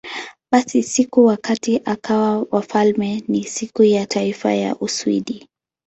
Basi, siku wakati akawa wafalme ni Siku ya Taifa ya Uswidi.